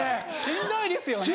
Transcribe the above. しんどいですよね